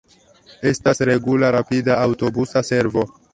Estas regula rapida aŭtobusa servo.